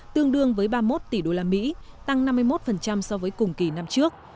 tương đương với ba mươi một tỷ usd tăng năm mươi một so với cùng kỳ năm trước